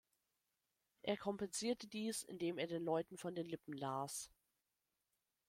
Er kompensierte dies, indem er den Leuten von den Lippen las.